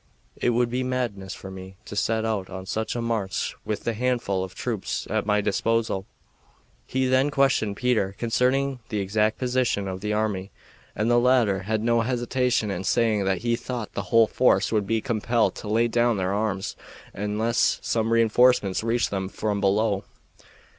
It would be madness for me to set out on such a march with the handful of troops at my disposal." He then questioned Peter concerning the exact position of the army, and the latter had no hesitation in saying that he thought the whole force would be compelled to lay down their arms unless some re enforcements reached them from below.